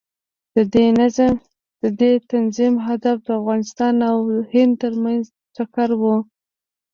د دې تنظیم هدف د افغانستان او هند ترمنځ ټکر و.